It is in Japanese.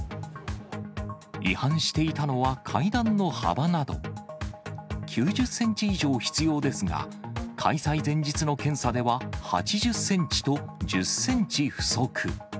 違反していたのは階段の幅など、９０センチ以上必要ですが、開催前日の検査では、８０センチと１０センチ不足。